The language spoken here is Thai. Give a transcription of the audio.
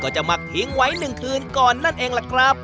จะหมักไหงไว้หนึ่งคืนก่อนนั่นเองละครับ